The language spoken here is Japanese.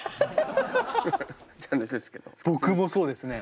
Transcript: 僕もそうですね。